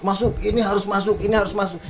masuk ini harus masuk ini harus masuk